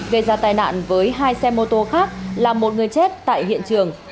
gây ra tai nạn với hai xe mô tô khác làm một người chết tại hiện trường